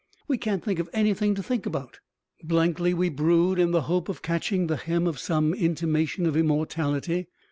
We can't think of anything to think about. Blankly we brood in the hope of catching the hem of some intimation of immortality.